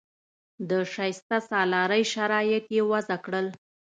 د شایسته سالارۍ شرایط یې وضع کړل.